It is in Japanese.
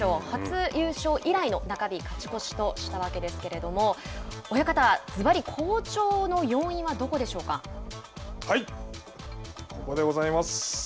初優勝以来の中日勝ち越しとしたわけですけれども親方はずばり好調の要因ははい、ここでございます。